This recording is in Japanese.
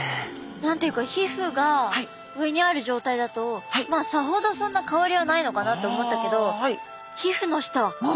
何て言うか皮膚が上にある状態だとさほどそんな変わりはないのかなと思ったけど皮膚の下はこんなつくりになってるんですね。